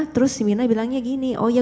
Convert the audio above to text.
terus myrna bilangnya gini oh ya